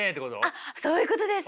はいそういうことです。